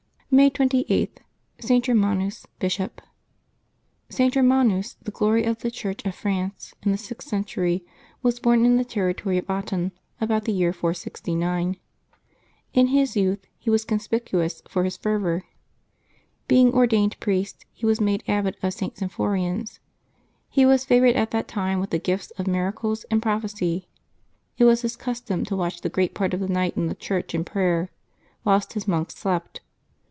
May 28.— ST. GERMANUS, Bishop. [T. Germ ANUS, the glory of the Church of Prance in the sixth centur}' , was born in the territory of Autun, about the )'ear 469. In his youth he was conspicuous for his fervor. Being ordained priest, he was made abbot of St. Symphorian's ; he was favored at that time with the gifts of miracles and prophecy. It was his custom to watch the great part of the night in the church in prayer, whilst his monks slept.